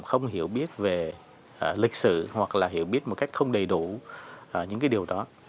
không hiểu biết về lịch sử hoặc là hiểu biết một cách không đầy đủ những cái điều đó